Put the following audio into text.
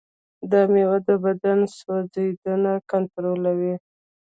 دا مېوه د بدن سوځیدنه کنټرولوي.